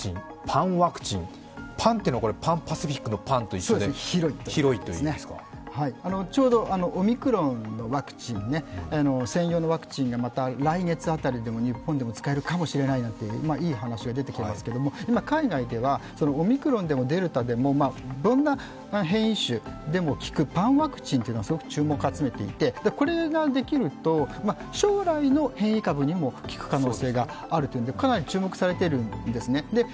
パンワクチンというのはパンパシフィックのパンと一緒でちょうどオミクロンの専用のワクチンがまた来月辺りに、日本でも使えるかもしれないといういい話が出てきていますけれども、今、海外ではオミクロンでもデルタでもどんな変異種でも効くパンワクチンというのがすごく注目を集めていてこれができると将来の変異株にも効く可能性があるということでかなり注目されているんですね。